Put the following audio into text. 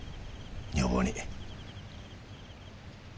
女房に。